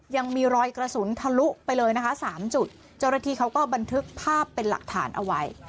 ยังมีรอยกระสุนทะลุไปเลยนะคะสามจุดเจ้าหน้าที่เขาก็บันทึกภาพเป็นหลักฐานเอาไว้